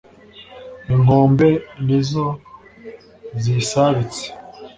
inkombe nizo ziyisabitse